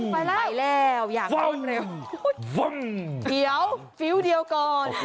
ไปแล้วไปแล้วอย่างเร็วฟังฟังเดี๋ยวฟิลเดียวก่อน